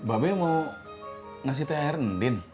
sini bapak bapak mau ngasih tahr nendin